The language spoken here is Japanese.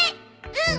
うん。